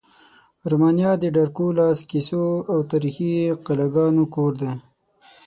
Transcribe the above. رومانیا د ډرکولا کیسو او تاریخي قلاګانو کور دی.